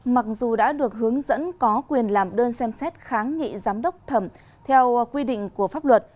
mặc dù đã được hướng dẫn có quyền làm đơn xem xét kháng nghị giám đốc thẩm theo quy định của pháp luật